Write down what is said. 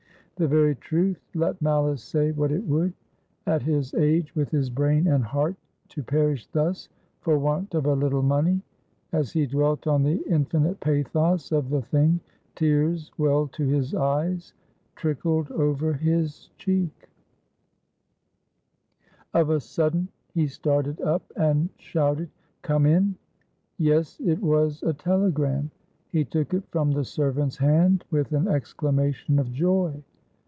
The very truth, let malice say what it would. At his age, with his brain and heart, to perish thus for want of a little money! As he dwelt on the infinite pathos of the thing, tears welled to his eyes, trickled over his cheek Of a sudden, he started up, and shouted "Come in!" Yes, it was a telegram; he took it from the servant's hand with an exclamation of joy.